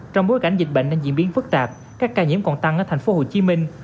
trong bối cảnh dịch bệnh đang diễn biến phức tạp các ca nhiễm còn tăng ở thành phố hồ chí minh